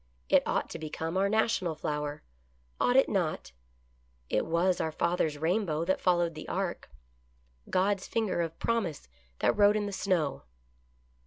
It ought to become our national flower. Ought it not? It was our father's rainbow that followed the ark — God's finger of promise that wrote in the snow.